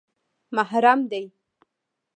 _محرم دي؟